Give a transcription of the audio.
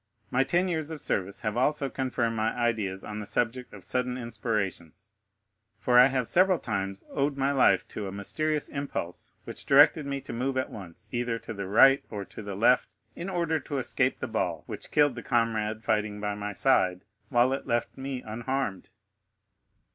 My ten years of service have also confirmed my ideas on the subject of sudden inspirations, for I have several times owed my life to a mysterious impulse which directed me to move at once either to the right or to the left, in order to escape the ball which killed the comrade fighting by my side, while it left me unharmed."